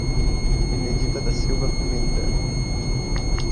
Benedita da Silva Pimentel